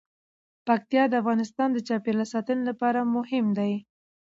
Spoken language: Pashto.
پکتیا د افغانستان د چاپیریال ساتنې لپاره مهم دي.